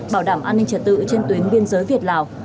bảo đảm an ninh trật tự trên tuyến biên giới việt lào